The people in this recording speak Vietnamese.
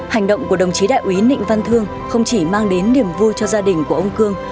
hành động của đồng chí đại úy nịnh văn thương không chỉ mang đến niềm vui cho gia đình của ông cương